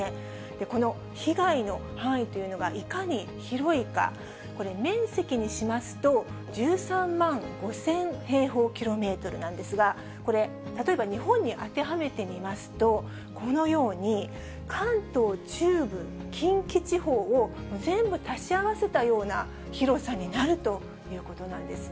この被害の範囲というのがいかに広いか、これ、面積にしますと、１３万５０００平方キロメートルなんですが、これ、例えば日本に当てはめてみますと、このように、関東、中部、近畿地方を全部足し合わせたような広さになるということなんですね。